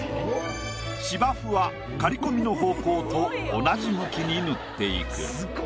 芝生は刈り込みの方向と同じ向きに塗っていく。